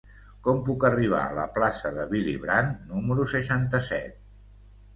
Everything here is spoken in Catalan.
Com puc arribar a la plaça de Willy Brandt número seixanta-set?